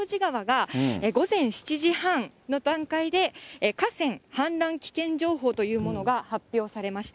妙正寺川が、午前７時半の段階で、河川氾濫危険情報というものが発表されました。